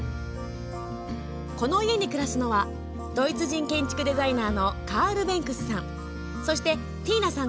この家に暮らすのはドイツ人建築デザイナーのカール・ベンクスさん。